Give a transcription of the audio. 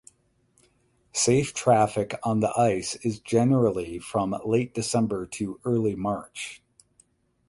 Safe traffic on the ice is generally from late December to early March.